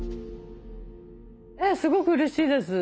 ええすごくうれしいです。